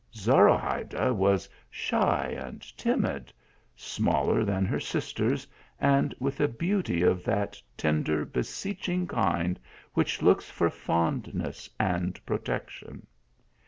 Zorahayda was shy and timid ; smaller than her sisters, and with a beauty of that tender, beseeching kind which looks for fondness and protection.